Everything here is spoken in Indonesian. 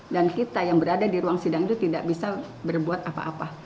dan kita yang berada di ruang sidang itu tidak bisa berbuat apa apa